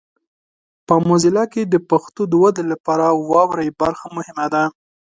په موزیلا کې د پښتو د ودې لپاره واورئ برخه مهمه ده.